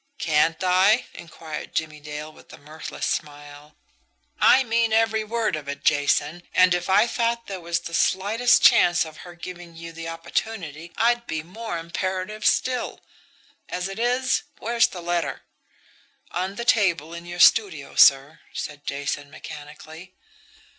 "Can't I?" inquired Jimmie Dale, with a mirthless smile. "I mean every word of it, Jason and if I thought there was the slightest chance of her giving you the opportunity, I'd be more imperative still. As it is where's the letter?" "On the table in your studio, sir," said Jason, mechanically.